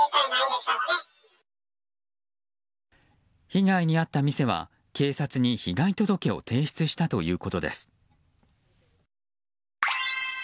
被害に遭った店は、警察に被害届を提出したということです。